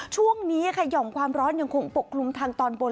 ช่วงนี้ค่ะหย่อมความร้อนยังคงปกคลุมทางตอนบน